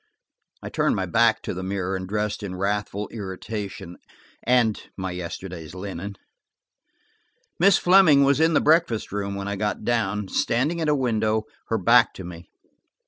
I turned my back to the mirror and dressed in wrathful irritation and my yesterday's linen. Miss Fleming was in the breakfast room when I got down, standing at a window, her back to me.